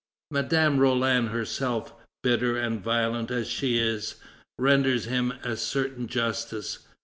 Madame Roland herself, bitter and violent as she is, renders him a certain justice.